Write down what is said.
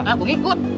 nah gue ikut